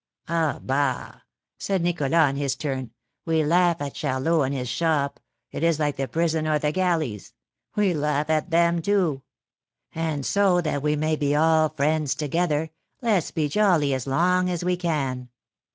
"Ah, bah!" said Nicholas, in his turn; "we laugh at Charlot and his shop; it is like the prison or the galleys, we laugh at them, too; and so, that we may be all friends together, let's be jolly as long as we can."